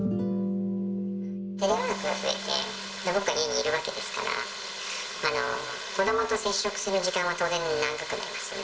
テレワークが増えて、僕は家にいるわけですから、子どもと接触する時間は当然長くなりますよね。